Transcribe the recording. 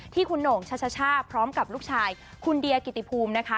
ที่คุณโหน่งช่าพร้อมกับลูกชายคุณเดียกิติภูมินะคะ